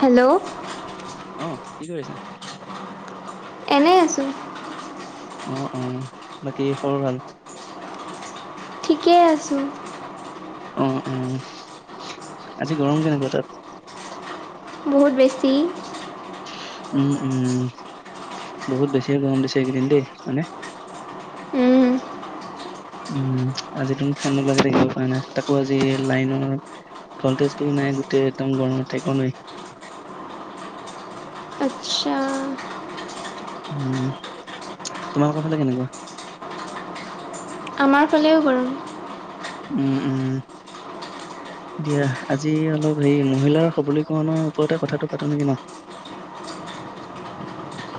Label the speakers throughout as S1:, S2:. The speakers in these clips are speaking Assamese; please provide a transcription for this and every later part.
S1: হেল্ল'।
S2: অ' কি কৰিছা?
S1: এনেই আছো।
S2: উম উম। বাকী খবৰ ভাল।
S1: ঠিকেই আছোঁ।
S2: অ' উম। আজি গৰম কেনেকুৱা তাত?
S1: বহুত বেছি।
S2: উম উম। বহুত বেছিয়ে গৰম দিছে এইকেইদিন দেই মানে- উ উম, আজি তোন ফেন নোলোৱা কে থাকিব পৰা নাই তাকো আজি লাইনৰ ভল্টেজ তো নাই গোটেই একদম গৰমত থাকিব নোৱাৰি।
S1: আচ্ছা।
S2: উম, তোমালোকৰ ফালে কেনেকুৱা?
S1: আমাৰ ফালেও গৰম।
S2: উম উম। দিয়া আজি অলপ হেৰি মহিলাৰ সবলীকৰণৰ ওপৰতে কথাটো পাতো নেকি ন।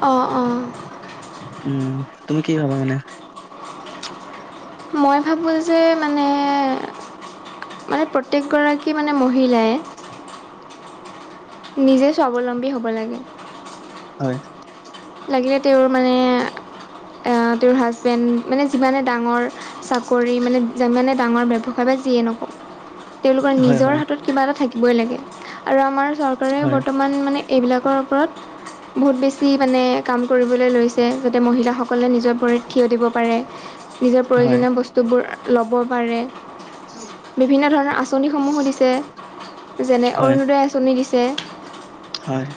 S1: অ' অ'।
S2: উম তুমি কি ভবা মানে। [unintelligible]
S1: মই ভাবোঁ যে মানে। মানে প্ৰত্যেকগৰাকী মানে মহিলাই নিজে স্বাৱলম্বী হ'ব লাগে।
S2: হয়
S1: লাগিলে তেওঁৰ মানে এ তেওঁৰ হাজবেণ্ড মানে যিমানে ডাঙৰ চাকৰি মানে মানে ডাঙৰ ব্যৱসায় যিয়ে নকওঁ তেওঁ লোকৰ
S2: হয়
S1: নিজৰ
S2: হয়
S1: হাত, কিবা এটা থাকিবই লাগে, আৰু আমাৰ চৰকাৰেও
S2: হয়
S1: বৰ্তমান মানে এইবিলাকৰ ওপৰত বহুত বেছি। মানে কাম কৰিবলৈ লৈছে যাতে মহিলাসকলে নিজৰ ভৰিত থিয় দিব পাৰে। নিজৰ
S2: হয়
S1: প্ৰয়োজনীয় বস্তুবোৰ ল'ব পাৰে। বিভিন্ন ধৰণৰ আঁচনি সমূহো দিছে, যেনে
S2: হয়
S1: অৰুণোদয় আঁচনি দিছে। [unintelligible]
S2: হয়।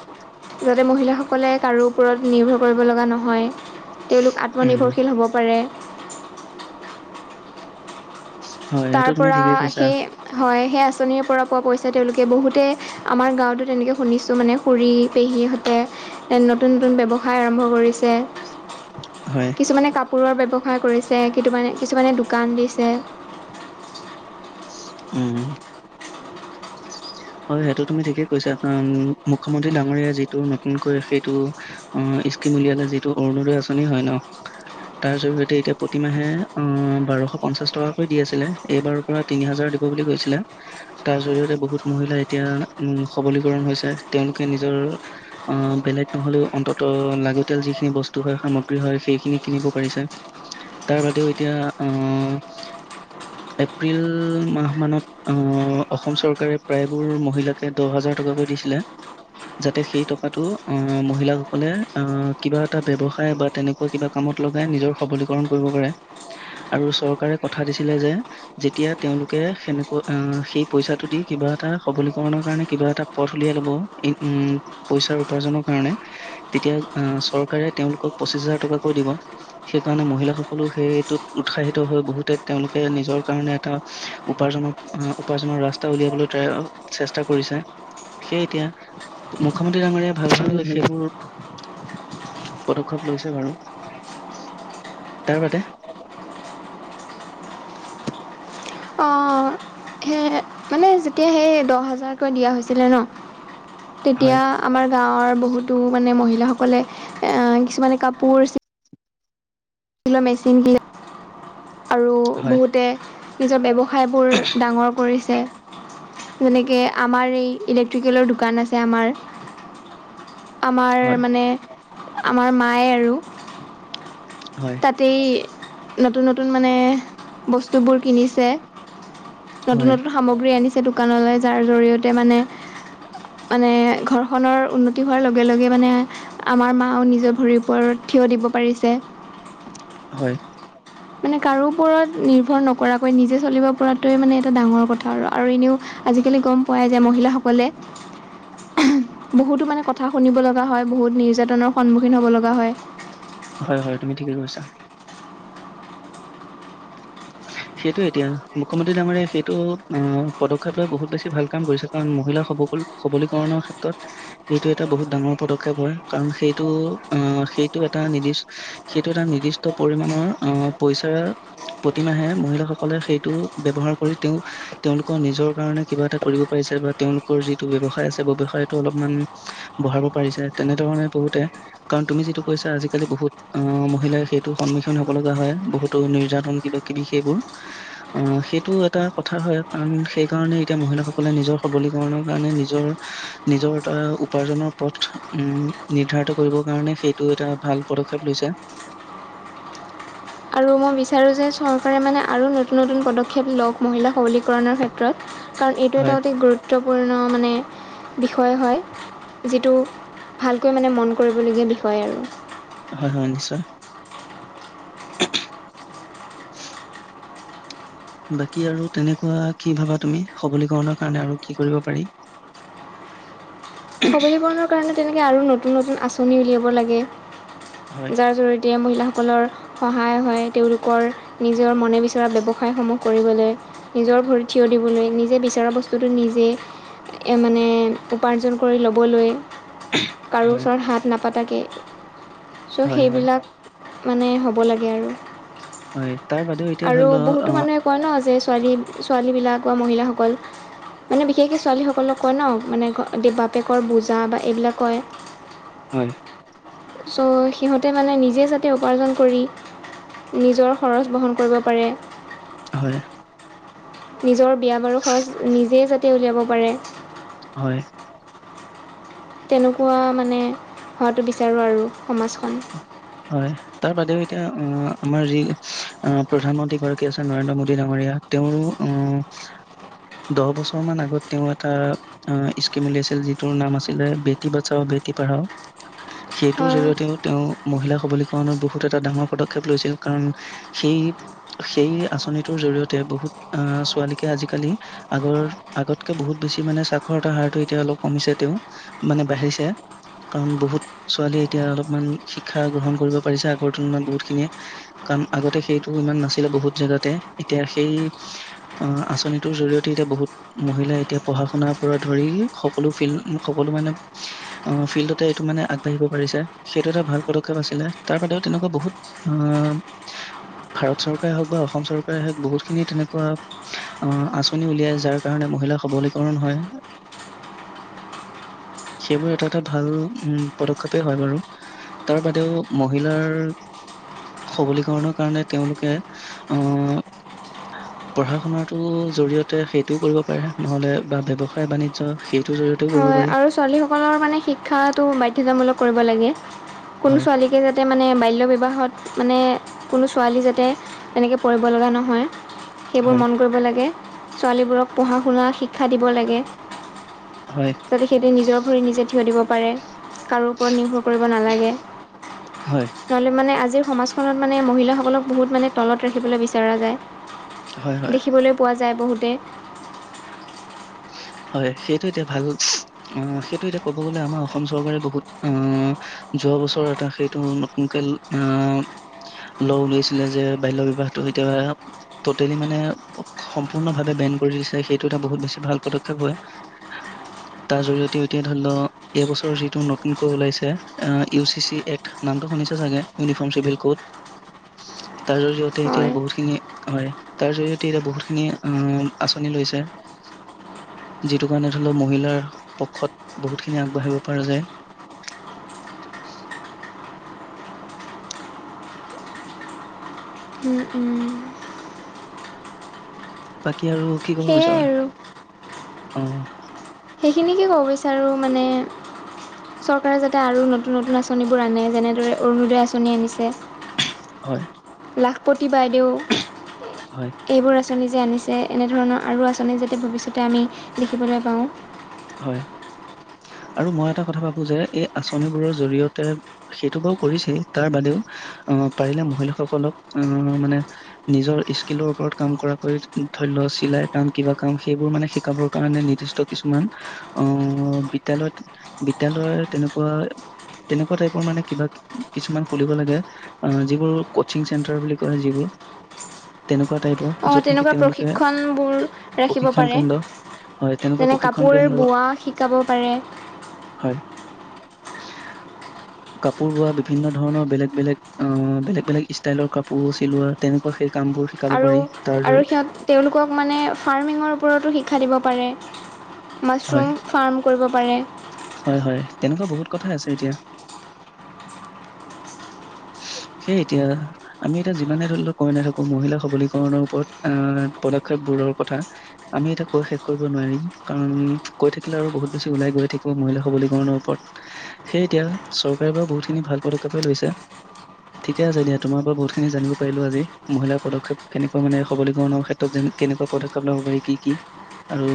S1: যাতে মহিলাসকলে কাৰো ওপৰত নিৰ্ভৰ কৰিব লগা নহয়। তেওঁলোক
S2: উম
S1: আত্মনিৰ্ভৰশীল হ'ব পাৰে
S2: হয়
S1: তাৰ
S2: সেইটো তুমি
S1: পৰা
S2: ঠিকেই কৈছা
S1: সেই হয় সেই আঁচনিৰ পৰা পোৱা পইচা তেওঁলোকে বহুতেই আমাৰ গাঁৱতো তেনেকৈ শুনিছোঁ মানে খুৰী পেহীহঁতে এ, নতুন-নতুন ব্যৱসায় আৰম্ভ কৰিছে।
S2: হয়।
S1: কিছুমানে কাপোৰৰ ব্যৱসায় কৰিছে, কিটোমানে কিছুমানে দোকান দিছে।
S2: উম হয় সেইটো তুমি ঠিকেই কৈছা, অম মুখ্যমন্ত্ৰী ডাঙৰীয়া যিটো নতুনকৈ সেইটো অ ইস্কিম উলিয়ালে যিটো অৰুণোদয় আঁচনি হয় ন তাৰ জৰিয়তে, এতিয়া প্ৰতিমাহে, অ' বাৰশ-পঞ্চাশ টকাকৈ দি আছিলে। এইবাৰ পূৰা তিনি হাজাৰ দিব বুলি কৈছিলে। তাৰ জৰিয়তে বহুত মহিলা এতিয়া উম সবলীকৰণ হৈছে, তেওঁলোকে নিজৰ অ'! বেলেগ নহ'লেও অন্তত, লাগতিয়াল যিখিনি বস্তু হয়, সামগ্ৰী হয়, সেইখিনি কিনিব পাৰিছে। তাৰ বাদেও এতিয়া আহ এপ্ৰিল মাহ মানত অ অসম চৰকাৰে প্ৰায়বোৰ মহিলাকে দহ হাজাৰ টকাকৈ দিছিলে। যাতে সেই টকাটো অ মহিলাসকলে আহ কিবা এটা ব্যৱসায় বা তেনেকুৱা কিবা কামত লগাই নিজৰ সবলীকৰণ কৰিব পাৰে আৰু চৰকাৰে কথা দিছিলে যে, যেতিয়া তেওঁলোকে সেনেকৈ আ সেই পইচাটো দি কিবা এটা সবলীকৰণৰ কাৰণে কিবা এটা পথ উলিয়াই ল'ব, উম' উম' পইচাৰ উপাৰ্জনৰ কাৰণে। তেতিয়া চৰকাৰে, তেওঁলোকক পঁচিশ হাজাৰ টকাকৈ দিব। সেইকাৰণে মহিলাসকলো সেইটোত উৎসাহিত হৈ, বহুতে তেওঁলোকে নিজৰ কাৰণে এটা উপাৰ্জনৰ অ উপাৰ্জনৰ ৰাস্তা উলিয়াবলৈ ট্ৰাই অ চেষ্টা কৰিছে সেই এতিয়া মুখ্যমন্ত্ৰী ডাঙৰীয়াই ভাল, ভাল সেইবোৰ পদক্ষেপ লৈছে বাৰু তাৰ বাদে
S1: অঁ। সেই মানে যেতিয়া সেই দহ হাজাৰকৈ দিয়া হৈছিলে ন
S2: হয়
S1: তেতিয়া আমাৰ গাঁৱৰ বহুতো মানে মহিলাসকলে অ কিছুমানে কাপোৰ মেচিন আৰু
S2: হয়
S1: বহুতে নিজৰ বেব ঠাইবোৰ ডাঙৰ কৰিছে যেনেকে আমাৰ এই ইলেক্ট্ৰিকেলৰ দোকান আছে আমাৰ। আমাৰ
S2: হয়
S1: মানে, আমাৰ মায়ে আৰু
S2: হয়
S1: টেই, নতুন নতুন মানে বচ বস্তুবোৰ কিনিছে নতুন
S2: হয়
S1: নতুন সামগ্ৰী আনিছে দোকানলৈ যাৰ জৰিয়তে মানে মানে ঘৰখনৰ উন্নতি হোৱাৰ লগে লগে মানে। আমাৰ মাও নিজৰ ভৰিৰ ওপৰত থিয় দিব পাৰিছে।
S2: হয়।
S1: মানে কাৰো ওপৰত নিৰ্ভৰ নকৰাকৈ নিজে চলিব পৰাটোৱে মানে এটা ডাঙৰ কথা আৰু, আৰু এনেও আজিকালি গ'ম পোৱাই যায় মহিলাসকলে বহুতো মানে কথা সুনিব লগা হয়, বহুত নিৰ্যাতনৰ সন্মুখীন হ'ব লগা হয়।
S2: হয়, হয় তুমি ঠিকে কৈছা। সেইটো এতিয়া, মুখ্যমন্ত্ৰী ডাঙৰীয়াই সেইটো আহ পদক্ষেপ লৈ বহুত বেছি ভাল কাম কৰিছে। কাৰণ মহিলাসব [unintelligible] সবলীকৰণৰ ক্ষেত্ৰত সেইটো এটা বহুত ডাঙৰ পদক্ষেপ হয়, কাৰণ সেইটো আহ সেইটো এটা নিৰ্দিষ্ট সেইটো এটা নিৰ্দিষ্ট পৰিমানৰ অ' পইচা প্ৰতিমাহে মহিলাসকলে সেইটো ব্যৱহাৰ কৰি তেওঁ তেওঁলোকৰ নিজৰ কাৰণে কিবা এটা কৰিব পাৰিছে। বাট তেওঁলোকৰ যিটো ব্যৱসায় আছে ব্যয়ৱসায়তো অলপমান বঢ়াব পাৰিছে। তেনেধৰণে বহুতে কাৰণ তুমি যিটো কৈছা আজিকালি বহুত অ' মহিলাই সেইটো সন্মুখীন হব লগা হয়। বহুতো নিৰ্যাতন কিবা কিবি সেইবোৰ। অ' সেইটো এটা কথা হয়, কাৰণ সেই কাৰণে এতিয়া মহিলাসকলে নিজৰ সবলীকৰণৰ কাৰণে নিজৰ নিজৰ এটা উপাৰ্জনৰ পথ উম নিৰ্ধাৰিত কৰিবৰ কাৰণে সেইটো এটা ভাল পদক্ষেপ লৈছে।
S1: আৰু মই বিচাৰোঁ যে চৰকাৰে মানে আৰু নতুন নতুন পদক্ষেপ লওঁক মহিলা সবলীকৰণৰ ক্ষেত্ৰত। কাৰণ এইটো
S2: হয়
S1: এটা অতি গুৰুত্বপূৰ্ণ মানে বিষয় হয়। যিটো ভালকৈ মানে মন কৰিবলগীয়া বিষয় আৰু।
S2: হয়, হয় নিশ্চয়। [unintelligible] বাকী আৰু তেনেকুৱা কি ভাবা তুমি সবলীকৰণৰ কাৰণে আৰু কি কৰিব পাৰি?
S1: [unintelligible] সবলীকৰণৰ কাৰণে তেনেকে আৰু নতুন নতুন আঁচনি উলিয়াব লাগে।
S2: হয়
S1: যাৰ জৰিয়তে মহিলাসকলৰ সহায় হয়, তেওঁলোকৰ নিজৰ মনে বিচৰা ব্যৱসায়সমূহ কৰিবলৈ নিজৰ ভৰিত থিয় দিবলৈ, নিজে বিচৰা বস্তুটো নিজে মানে উপাৰ্জন কৰি ল'বলৈ, কাৰো
S2: হয়
S1: ওচৰত হাত নাপাতাকে চ',
S2: হয় হয়
S1: সেইবিলাক মানে হ'ব লাগে আৰু।
S2: হয় তাৰ বাদেও এতিয়া
S1: আৰু
S2: ধৰি লও
S1: বহুতো
S2: অ
S1: মানুহে কয় ন', যে ছোৱালী, ছোৱালীবিলাক বা মহিলাসকল মানে বিশেষকৈ ছোৱালীসকলৰ কয় ন মানে বাপেকৰ বোজা বা এইবিলাক কয়।
S2: হয়।
S1: ছ' সিহঁতে মানে নিজে যাতে উপাৰ্জন কৰি নিজৰ খৰচ বহন কৰিব পাৰে।
S2: হয়।
S1: নিজৰ বিয়া বাৰু খৰছ নিজেই যাতে উলিয়াব পাৰে।
S2: হয়।
S1: তেনেকুৱা মানে হোৱাটো বিচাৰোঁ আৰু সমাজখন।
S2: হয়। তাৰ বাদেও এতিয়া অ', আমাৰ যি আহ, প্ৰধান মন্ত্ৰী গৰাকী আছে নৰেন্দ্ৰ মোডী ডাঙৰীয়া। তেওঁ অ',
S1: [unintelligible]
S2: দহ বছৰ মান আগত তেওঁ এটা অ', স্কিম উলিয়াইছিল যিটোৰ নাম আছিলে বেটি বাচাও বেটি পঢ়াও, সেইটোৰ
S1: হয়
S2: জৰিয়ত তেওঁ-তেওঁ মহিলা সবলীকৰণৰ বহুত এটা ডাঙৰ পদক্ষেপ লৈছিল কাৰণ সেই সেই আঁচনিটোৰ জৰিয়তে বহুত আহ, ছোৱালীকে আজিকালি আগৰ, আগতকে বহুত বেছি মানে চখৰ এটা হাৰটো এতিয়া অলপ কমিছে তেওঁ মানে বাঢ়িছে, কাৰণ বহুত ছোৱালীয়ে এতিয়া অলপ ইমান শিক্ষা গ্ৰহণ কৰিব পাৰিছে, আগৰ তুলনাত বহুত খিনিয়ে। কাৰণ আগতে সেইটো ইমান নাছিলে বহুত জেগাতে এতিয়া সেই অ', আঁচনিটোৰ জৰিয়তে এতিয়া বহুত মহিলাই এতিয়া পঢ়া শুনাৰ পৰা ধৰি, সকলো ফিল্ড সকলো মানে অ', ফিল্ডতে এইটো মানে আগবাঢ়িব পাৰিছে। সেইটো এটা ভাল পদক্ষেপ আছিলে। তাৰ বাদেও তেনেকুৱা বহুত আহ ভাৰত চৰকাৰে হওক বা অসম চৰকাৰে হওক বহুতখিনি তেনেকুৱা অ', আঁচনি উলিয়াইছে যাৰ কাৰণে মহিলাৰ সবলীকৰণ হয়।
S1: [inaudible]
S2: সেইবোৰ এটা এটা ভাল উম, পদক্ষেপে হয় বাৰু। তাৰ বাদেও মহিলাৰ সবলীকৰণৰ কাৰণে তেওঁলোকে আহ পঢ়া শুনাৰটো জৰিয়তে সেইটোও কৰিব পাৰে নহলে বা ব্যৱসায় বানিজ্য সেইটোৰ জৰিয়তে
S1: হয় আৰু ছোৱালীসকলৰ মানে শিক্ষাটো বাধ্যতামূলক কৰিব লাগে, কোনো
S2: হয়,
S1: ছোৱালীকে মানে বাল্য বিবাহত মানে কোনো ছোৱালী যাতে তেনেকৈ পৰিব লগা নহয়। সেইবোৰ
S2: হয়,
S1: মন কৰিব লাগে, ছোৱালীবোৰক পঢ়া শুনা শিক্ষা দিব লাগে।
S2: হয়।
S1: যাতে সিহঁতে নিজৰ ভৰি নিজে থিয় দিব পাৰে, কাৰো ওপৰত নিৰ্ভৰ কৰিব নালাগে।
S2: হয়।
S1: নহ'লে মানে আজিৰ সমাজখনত মানে মহিলাসকলক বহুত মানে তলত ৰাখিবলৈ বিচৰা
S2: হয়,
S1: যায়।
S2: হয়,
S1: দেখিবলৈ পোৱা যায় বহুতে
S2: হয় সেইটো এতিয়া ভাল আহ সেইটো এতিয়া ক'ব গ'লে অসম চৰকাৰে বহুত আ যোৱা বছৰ এটা সেইটো নতুনকে আহ ল' উলাইছিলে যে বাল্য বিবাহটো কেতিয়াবা ট'টেলি মানে সম্পূৰ্ণভাৱে বেন কৰি দিছে সেইটো এটা বহুত বেছি ভাল পদক্ষেপ হয়, তাৰ জৰিয়তেও এতিয়া ধৰি লওক এইবছৰ যিটো নতুনকৈ ওলাইছে আহ ইউ চি চি এক্ট নামটো শুনিছে চাগে ইউনিফৰ্ম চিভিল কোড।
S1: [unintelligible]
S2: তাৰ জৰিয়তে এতিয়া
S1: হয়
S2: বহুতখিনি হয় তাৰ জৰিয়তে এতিয়া বহুতখিনি অ আঁচনি লৈছে। যিটো কাৰণে ধৰি লও মহিলাৰ পক্ষত বহুত খিনি আগবাঢ়িব পৰা যায়।
S1: উ উম।
S2: বাকী আৰু কি ক'ব বিচৰা?
S1: সেইখিনিকে ক'ব বিচাৰোঁ মানে চৰকাৰে যাতে আৰু নতুন নতুন আঁচনিবোৰ আনে যেনেদৰে অৰুণোদয় আঁচনি আনিছে।
S2: হয়।
S1: লাখপতি বাইদেউ।
S2: হয়।
S1: এইবোৰ আঁচনি যে আনিছে এনেধৰণৰ আৰু আঁচনি যাতে ভৱিষ্যতে আমি দেখিবলৈ পাওঁ।
S2: হয়, আৰু মই এটা কথা ভাবোঁ যে এই আঁচনিবোৰৰ জৰিয়তে সেইটো বাৰু কৰিছে তাৰ বাদেও আহ পাৰিলে মহিলাসকলক আহ মানে নিজৰ স্কিলৰ ওপৰত কাম কৰা কৰি ধৰি লওক চিলাই কাম কিবা কাম সেইবোৰ মানে শিকাবৰ কাৰণে নিৰ্দিষ্ট কিছুমান আহ বিদ্যালয়ত বিদ্যালয়ৰ তেনেকুৱা তেনেকুৱা টাইপৰ মানে কিবা কিছুমান খুলিব লাগে। অ যিবোৰ কচিং চেণ্টাৰ বুলি কয় যিবোৰ।
S1: [unintelligible]
S2: তেনেকুৱা টাইপৰ।
S1: আহ
S2: য'ত নেকি
S1: তেনেকুৱা
S2: তেওঁলোকে
S1: প্ৰশিক্ষণ বোৰ ৰাখিব
S2: প্ৰশিক্ষণ
S1: পাৰে
S2: কেন্দ্ৰ হয় তেনেকুৱা
S1: যেনে
S2: প্ৰশিক্ষণ
S1: কাপোৰ
S2: কেন্দ্ৰ
S1: বোৱা শিকাব পাৰে।
S2: হয়।
S1: [unintelligible]
S2: কাপোৰ বোৱা বিভিন্ন ধৰণৰ বেলেগ বেলেগ অ বেলেগ বেলেগ ষ্টাইলৰ কাপোৰ চিলোৱা তেনেকুৱা সেই কাম বোৰ।
S1: আৰু আৰু সিহঁত তেওঁলোকক মানে ফাৰ্মিঙৰ ওপৰতো শিক্ষা দিব পাৰে।
S2: হয়
S1: মাছৰুম ফাৰ্ম কৰিব পাৰে।
S2: হয় হয় তেনেকুৱা বহুত কথা আছে এতিয়া।
S1: [unintelligible]
S2: সেই এতিয়া‌ আমি এতিয়া যিমানে ধৰি লওক কই নাথাকো মহিলা সবলীকৰণৰ ওপৰত আহ পদক্ষেপবোৰৰ কথা। আমি এটা কৈ শেষ কৰিব নোৱাৰিম। উম কৈ থাকিলে আৰু বহুত বেছি ওলাই গৈ থাকিব মহিলা সৱলীকৰণৰ ওপৰত। সেই এতিয়া চৰকাৰে পৰা বহুতখিনি ভাল পদক্ষেপে লৈছে। ঠিকে আছে দিয়া, তোমাৰ পৰা বহুতখিনি জানিব পাৰিলো আজি, মহিলাৰ পদক্ষেপ কেনেকা মানে সবলিকৰণ ক্ষেত্ৰ [inaudible] ত যেন কেনেকুৱা পদক্ষেপ ল'ব পাৰি কি কি আৰু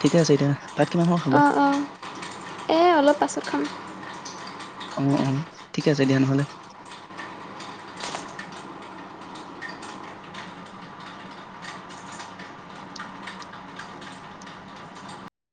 S2: ঠিকে আছে এতিয়া ভাত কিমান সময়ত খাবা?
S1: অঁ অঁ এই অলপ পাছত খাম।
S2: অ অ ঠিক আছে দিয়া নহ'লে।